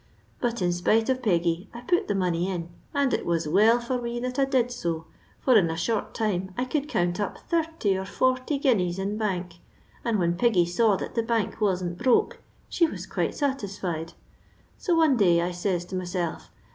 But in spite of Peggy I put the money in, and it was well for me that I did so, for in a ihort time I could count up 30 or 40 guineas m bank, and whin Peggy saw that the bank wasn't broke she vras quite satisfied ; so one day I ses to myself.